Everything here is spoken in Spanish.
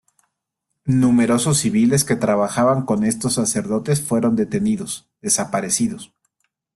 Numerosos civiles que trabajaban con estos sacerdotes fueron detenidos-desaparecidos.